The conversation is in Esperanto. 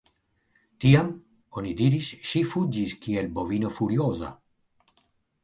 Tiam, oni diris ŝi fuĝis kiel bovino furioza.